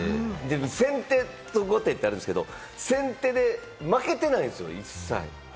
先手と後手ってあるんですけれども、先手で負けてないんすよね、一切。